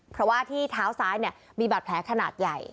เพราะว่าที่เท้าซ้ายมีบาดแผลขนาดใหญ่